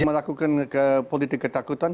melakukan politik ketakutan